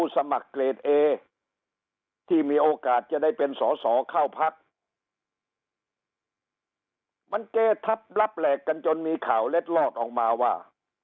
สอเข้าพักมันเกทับลับแหลกกันจนมีข่าวเล็กลอดออกมาว่า